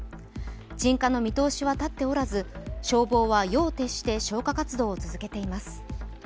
鎮火の見通しは立っておらず消防は夜を徹して消火活動を続けています。